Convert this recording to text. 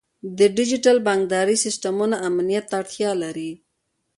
د ډیجیټل بانکدارۍ سیستمونه امنیت ته اړتیا لري.